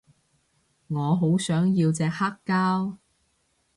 我好想要隻黑膠